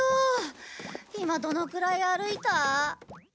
今どのくらい歩いた？